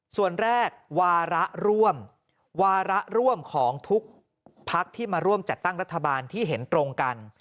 ส่วนแรกวาระร่วมวาระร่วมของทุกพักที่มาร่วมจัดตั้งรัฐบาลที่เห็นตรงกัน